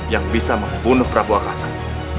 yang bisa membunuh prabu akasan